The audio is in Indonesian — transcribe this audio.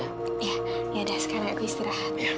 ya yaudah sekarang aku istirahat